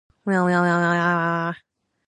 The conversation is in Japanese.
私は音楽が好きです。